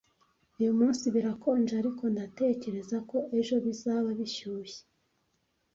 Uyu munsi birakonje, ariko ndatekereza ko ejo bizaba bishyushye.